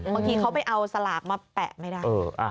บางทีเขาไปเอาสลากมาแปะไม่ได้